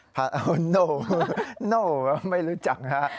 ไม่ไม่รู้จักครับ